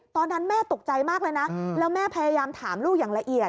ตอนนั้นแม่ตกใจมากเลยนะแล้วแม่พยายามถามลูกอย่างละเอียด